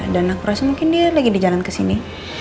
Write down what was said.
dan aku rasa mungkin dia lagi di jalan ke sana